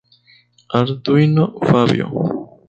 Arduino, Fabio.